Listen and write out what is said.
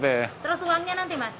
terus uangnya nanti mas